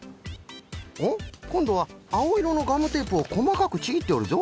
おっこんどはあおいろのガムテープをこまかくちぎっておるぞ。